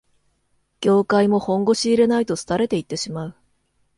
業界も本腰入れないと廃れていってしまう